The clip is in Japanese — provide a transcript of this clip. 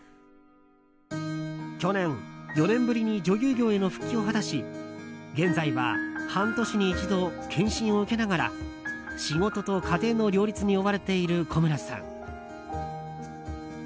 去年、４年ぶりに女優業への復帰を果たし現在は、半年に一度検診を受けながら仕事と家庭の両立に追われている古村さん。